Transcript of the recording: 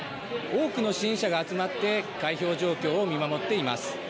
多くの支援者が集まって開票状況を見守っています。